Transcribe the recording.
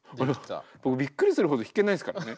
僕びっくりするほど弾けないですからね。